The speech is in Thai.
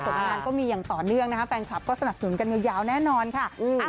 งานก็มีอย่างต่อเนื่องนะคะแฟนคลับก็สนับสนุนกันยาวแน่นอนค่ะ